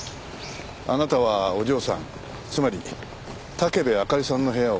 あなたはお嬢さんつまり武部あかりさんの部屋を訪ねましたね？